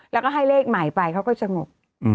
แล้วก็ให้เลขใหม่ไปเขาก็สงบ